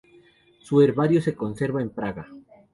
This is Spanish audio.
Su herbario se conserva en Praga.